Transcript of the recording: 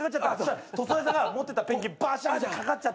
塗装屋さんが持ってたペンキバシャンって掛かっちゃった。